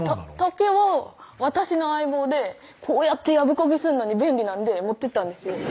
竹は私の相棒でこうやってやぶこぎするのに便利なんで持ってったんですよ